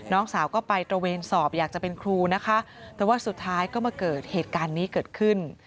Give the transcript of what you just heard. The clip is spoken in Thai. น้องสาวก็ไปตระเวนสอบอยากจะเป็นครูนะคะแต่ว่าสุดท้ายก็มาเกิดเหตุการณ์นี้เกิดขึ้น